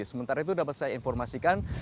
sementara itu dapat saya informasikan